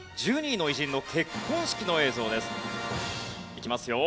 いきますよ。